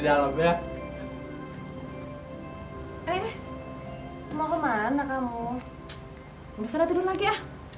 masuk sana tidur lagi ya